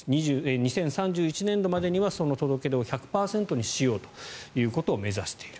２０３１年度までにはその届け出を１００％にしようということを目指している。